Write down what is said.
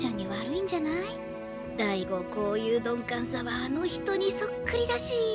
大吾こういう鈍感さはあの人にそっくりだし。